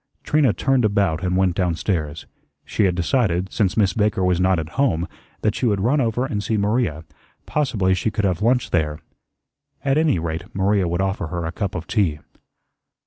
Trina turned about and went down stairs. She had decided, since Miss Baker was not at home, that she would run over and see Maria; possibly she could have lunch there. At any rate, Maria would offer her a cup of tea.